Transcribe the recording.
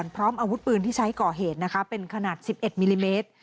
พร้อมอาวุธปืนที่ใช้ก่อเหตุนะคะเป็นขนาด๑๑มิลลิเมตร